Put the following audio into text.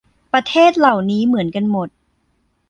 ประเทศเหล่านี้เหมือนกันหมด